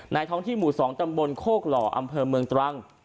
ท้องที่หมู่๒ตำบลโคกหล่ออำเภอเมืองตรัง